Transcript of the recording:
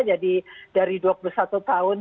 jadi dari dua puluh satu tahun